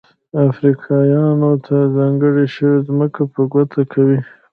افریقایانو ته ځانګړې شوې ځمکه په ګوته کوي.